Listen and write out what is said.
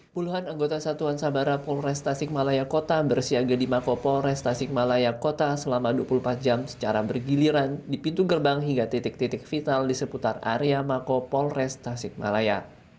puluhan anggota satuan sabara polres tasikmalaya kota bersiaga di mako polres tasikmalaya kota selama dua puluh empat jam secara bergiliran di pintu gerbang hingga titik titik vital di seputar area mako polres tasikmalaya